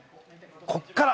『こっから』。